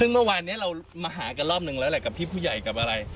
หมาวันนี้เรามาหากันรอบนึงแล้วหน่อยกับพี่ผู้ใหญ่กันนะ